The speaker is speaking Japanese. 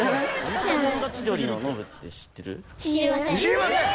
「知りません」！？